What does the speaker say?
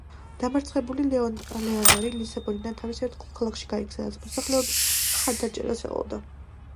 დამარცხებული ლეონორი ლისაბონიდან თავის ერთგულ ქალაქში გაიქცა, სადაც მოსახლეობის მხარდაჭერას ელოდა.